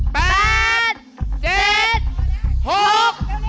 นับนะครับ